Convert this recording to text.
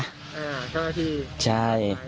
อ่ามาที่